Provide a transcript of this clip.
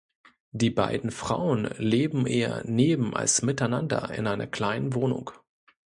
Die beiden Frauen leben eher neben als miteinander in einer kleinen Wohnung.